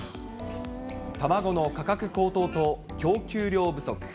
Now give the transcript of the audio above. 卵の価格高騰と供給量不足。